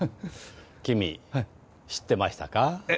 君、知ってましたか？